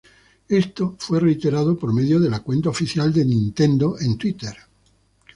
Esto fue reiterado por medio de la cuenta oficial de Nintendo en Twitter.